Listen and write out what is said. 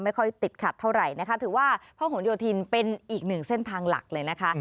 ค่อยติดขัดเท่าไหร่นะคะถือว่าพระหลโยธินเป็นอีกหนึ่งเส้นทางหลักเลยนะคะ